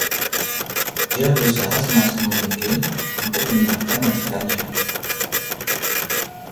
Dia berusaha semaksimal mungkin untuk menyenangkan majikannya.